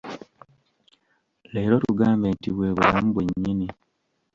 Leero tugambe nti bwe bulamu bwennyini.